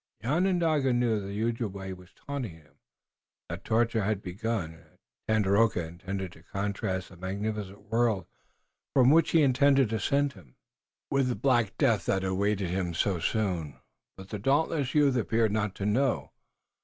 The Onondaga knew that the Ojibway was taunting him, that the torture had begun, that Tandakora intended to contrast the magnificent world from which he intended to send him with the black death that awaited him so soon. But the dauntless youth appeared not to know.